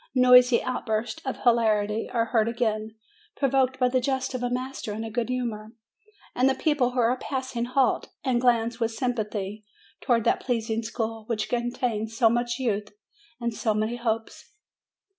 Noisy outbursts of hilarity are heard again, provoked by the jest of a master in a good humor. And the people who are passing halt, and glance with sympathy towards that pleasing school, which contains so much youth and so many hopes.